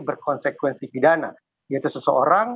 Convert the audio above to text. berkonsekuensi pidana yaitu seseorang